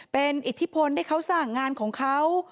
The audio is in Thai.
เป็นอิทธิพลที่เขาสร้างงานของเขา